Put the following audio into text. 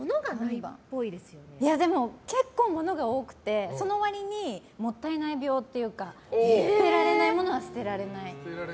でも、結構物が多くてその割にもったいない病というか捨てられないものは捨てられない。